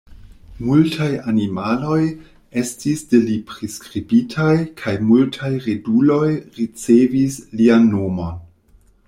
Multaj animaloj estis de li priskribitaj kaj multaj roduloj ricevis lian nomon.